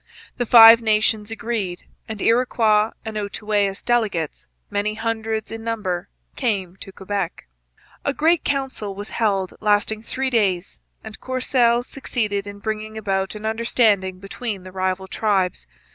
The Five Nations agreed, and Iroquois and Outaouais delegates, many hundreds in number, came to Quebec. A great council was held lasting three days, and Courcelle succeeded in bringing about an understanding between the rival tribes.